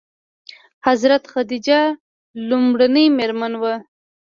حضرت خدیجه لومړنۍ مومنه وه.